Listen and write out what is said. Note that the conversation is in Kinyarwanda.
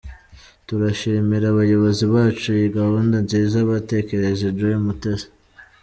Turashimira abayobozi bacu iyi gahunda nziza batekereje’’ Joy Mutesi.